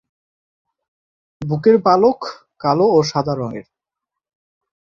বুকের পালক কালো ও সাদা রঙের।